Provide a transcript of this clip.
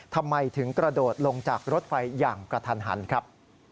ทำไมถึงกระโดดลงจากรถไฟอย่างกระทันหันครับ